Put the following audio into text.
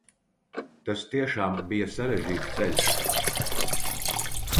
Tas tiešām bija sarežģīts ceļš.